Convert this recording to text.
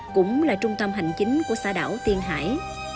cũng là trung tâm hành chính của xã đảo tiên hải